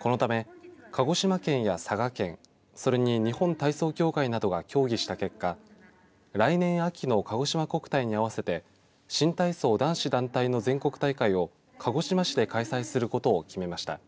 このため、鹿児島県や佐賀県それに日本体操協会などが協議した結果来年秋のかごしま国体に合わせて新体操男子団体の全国大会を鹿児島市で開催することを決めました。